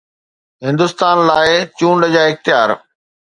هندستان لاء چونڊ جا اختيار